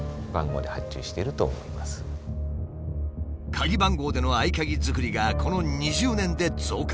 鍵番号での合鍵作りがこの２０年で増加。